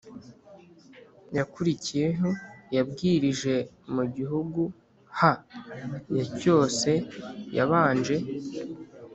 yakurikiyeho yabwirije mu gihugu ha ya cyose Yabanje